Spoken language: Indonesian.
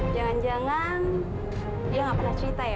jangan jangan dia nggak pernah cerita ya